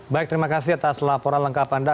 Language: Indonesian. baik terima kasih atas laporan lengkap anda